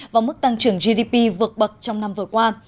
và mức tăng trưởng gdp vượt bậc trong năm vừa qua